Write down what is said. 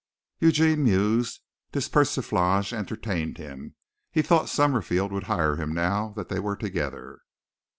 Eugene mused. This persiflage entertained him. He thought Summerfield would hire him now that they were together.